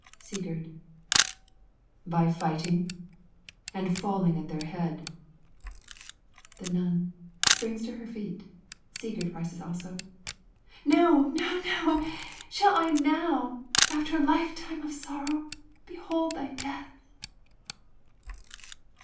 Sigurd By fighting and falling at their head. The Nun [springs to her feet. Sigurd also rises.] No! No! No! Shall I now, after a lifetime of sorrow, behold thy death?